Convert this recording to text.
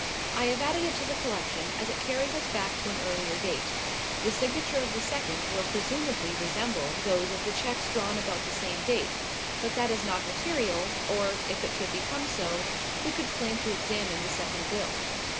I have added it to the collection as it carries us back to an earlier date. The signature of the second will presumably resembles those of the cheques drawn about the same date. But that is not material, or, if it should become so, we could claim to examine the second will."